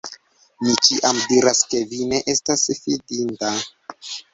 Mi ĉiam diras, ke vi ne estas fidinda!